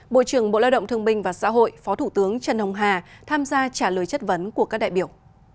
bộ trưởng bộ lao động thương minh và xã hội phó thủ tướng trần hồng hà tham gia trả lời chất vấn của các đại biểu